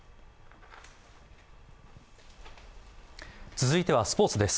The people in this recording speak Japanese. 続いてはスポーツです。